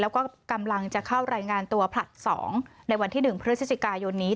แล้วก็กำลังจะเข้ารายงานตัวผลัด๒ในวันที่๑พฤศจิกายนนี้